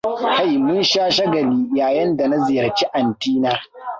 Kai mun sha shagali yayin da na ziyarci antina!